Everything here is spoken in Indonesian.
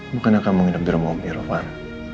bukannya kamu nginep di rumah mirvan